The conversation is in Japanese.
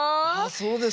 そうですか。